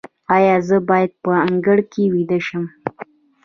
ایا زه باید په انګړ کې ویده شم؟